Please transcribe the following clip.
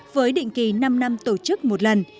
với định kỳ năm năm tổ chức một lần